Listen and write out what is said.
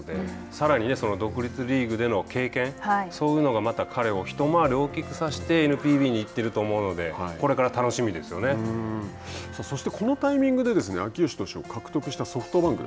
さらに独立リーグでの経験、そういうのがまた彼を一回り大きくさしてＮＰＢに行ってると思うのでそして、このタイミングで秋吉投手を獲得したソフトバンク。